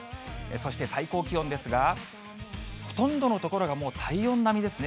そして、最高気温ですが、ほとんどの所がもう体温並みですね。